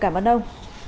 cảm ơn ông